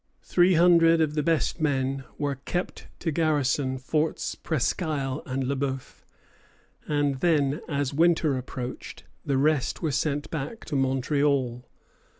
Three hundred of the best men were kept to garrison Forts Presquisle and Le Bœuf; and then, as winter approached, the rest were sent back to Montreal.